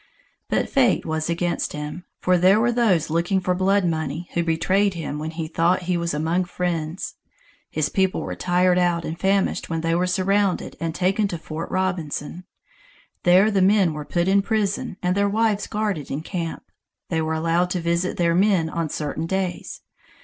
But fate was against him, for there were those looking for blood money who betrayed him when he thought he was among friends. His people were tired out and famished when they were surrounded and taken to Fort Robinson. There the men were put in prison, and their wives guarded in camp. They were allowed to visit their men on certain days.